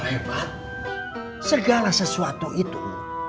sembilan puluh ribu t